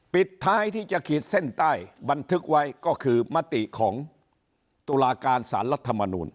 ปิดท้ายที่จะขีดเส้นใต้บันทึกไว้ก็คือมติของตุลาการสารรัฐมนูล